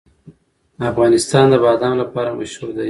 افغانستان د بادام لپاره مشهور دی.